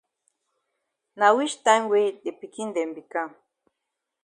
Na wich time wey de pikin dem be kam?